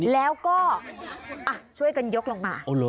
แล้วก็ช่วยกันยกลงมา